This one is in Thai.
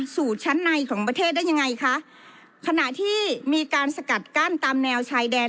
สู่ชั้นในของประเทศได้ยังไงคะขณะที่มีการสกัดกั้นตามแนวชายแดน